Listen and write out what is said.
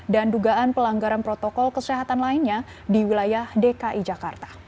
dan dugaan pelanggaran protokol kesehatan lainnya di wilayah dki jakarta